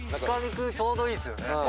鹿肉ちょうどいいっすよね。